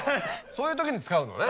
そういうときに使うのね。